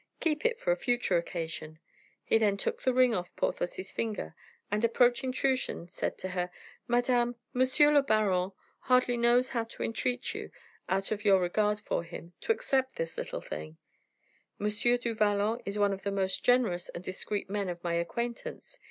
Keep it for a future occasion." He then took the ring off Porthos's finger, and approaching Truchen, said to her: "Madame, monsieur le baron hardly knows how to entreat you, out of your regard for him, to accept this little ring. M. du Vallon is one of the most generous and discreet men of my acquaintance.